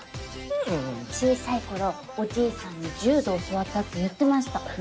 小さいころおじいさんに柔道教わったって言ってました。